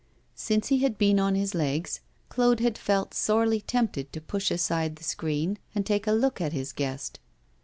Since he had been on his legs, Claude had felt sorely tempted to push aside the screen and to take a look at his guest.